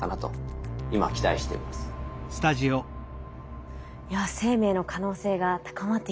いや生命の可能性が高まってきてますね。